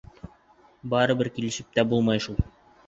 Барыбер килешеп тә булмай шул.